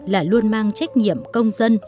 là luôn mang trách nhiệm công dân